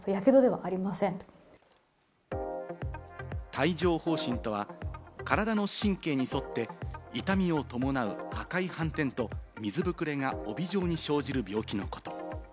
帯状疱疹とは、体の神経に沿って痛みを伴う赤い斑点と水ぶくれが帯状に生じる病気のこと。